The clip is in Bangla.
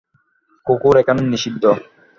কুকুর এখানে নিষিদ্ধ।